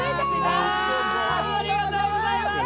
ありがとうございます！